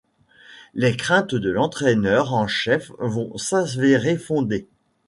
Les craintes de l’entraineur en chef vont s’avérer fondées.